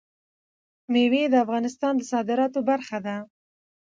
مېوې د افغانستان د صادراتو برخه ده.